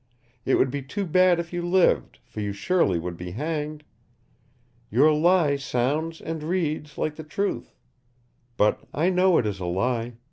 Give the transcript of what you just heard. It would be too bad if you lived, for you surely would be hanged. Your lie sounds and reads like the truth. But I know it is a lie.